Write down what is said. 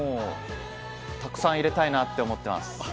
たくさん入れたいなと思ってます。